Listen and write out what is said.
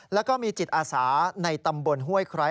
แล้วก็มีจิตอาสาในตำบลห้วยไคร้